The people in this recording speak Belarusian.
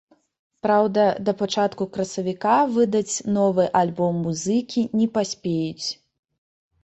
Праўда, да пачатку красавіка выдаць новы альбом музыкі не паспеюць.